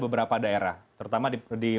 beberapa daerah terutama di